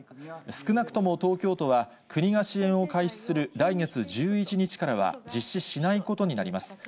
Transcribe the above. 少なくとも東京都は、国が支援を開始する来月１１日からは実施しないことになります。